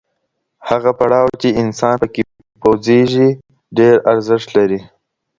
هغه پړاو چي انسان پکي پوخيږي، ډېر ارزښت لري.